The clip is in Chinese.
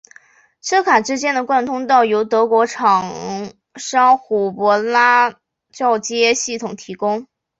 车卡之间的贯通道由德国厂商虎伯拉铰接系统提供。